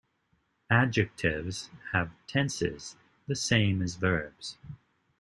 Adjectives have tenses, the same as verbs.